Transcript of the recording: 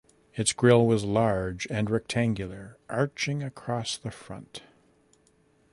Its grille was large and rectangular arching across the front.